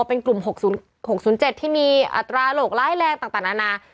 เป็นกลุ่ม๖๐๖๐๗ที่มีอัตราโรคร้ายแรงต่างนานา